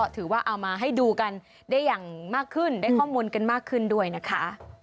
ถือว่าเอามาให้ดูกันได้อย่างมากขึ้นได้ข้อมูลกันมากขึ้นด้วยนะคะ